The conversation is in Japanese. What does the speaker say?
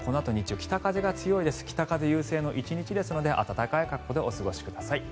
北風優勢の１日ですので暖かい格好でお過ごしください。